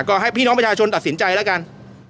ก็ให้พี่น้องประชาชนตัดสินใจแล้วกัน